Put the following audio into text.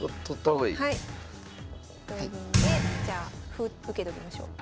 同銀でじゃあ歩受けときましょう。